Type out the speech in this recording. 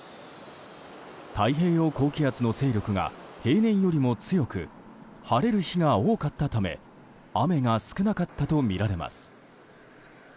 太平洋高気圧の勢力が平年よりも強く晴れる日が多かったため雨が少なかったとみられます。